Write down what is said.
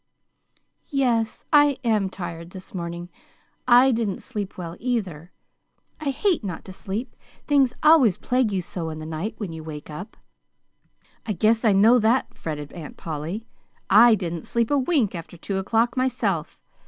"Yes, I am tired this morning. I didn't sleep well, either. I hate not to sleep. Things always plague so in the night, when you wake up." "I guess I know that," fretted Aunt Polly. "I didn't sleep a wink after two o'clock myself.